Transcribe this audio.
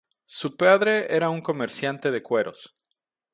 Su padre era un comerciante de cueros.